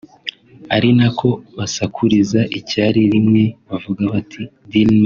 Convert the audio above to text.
ari nako basakuriza icya rimwe bavuga bati "Dilma